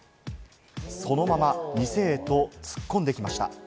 そのまま店へと突っ込んできました。